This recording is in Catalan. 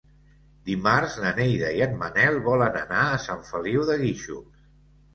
Dimarts na Neida i en Manel volen anar a Sant Feliu de Guíxols.